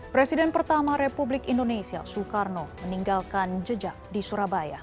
presiden pertama republik indonesia soekarno meninggalkan jejak di surabaya